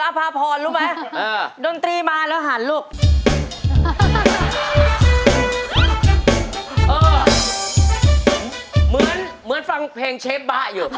อาภาพรสวัสดีครับ